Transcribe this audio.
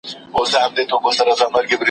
ابدالیانو په هرات کې د صفوي لښکرو غرور مات کړ.